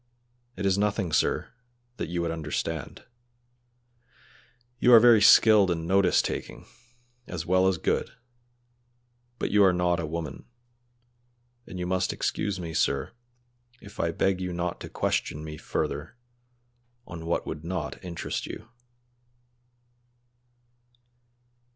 "It is nothing, sir, that you would understand; you are very skilled and notice taking, as well as good, but you are not a woman, and you must excuse me, sir, if I beg you not to question me further on what would not interest you."